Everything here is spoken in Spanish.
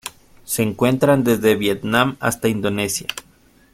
Se encuentra desde el Vietnam hasta Indonesia.